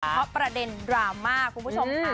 เพราะประเด็นดราม่าคุณผู้ชมค่ะ